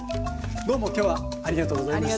どうもきょうはありがとうございました。